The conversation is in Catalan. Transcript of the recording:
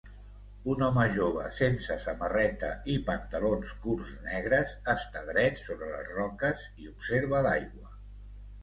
Un home jove sense samarreta i pantalons curts negres està dret sobre les roques i observa l'aigua.